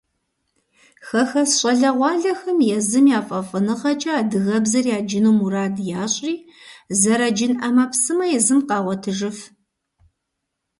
Хэхэс щӏалэгъуалэхэм езым я фӏэфӏыныгъэкӏэ адыгэбзэр яджыну мурад ящӏри, зэраджын ӏэмэпсымэ езым къагъуэтыжыф.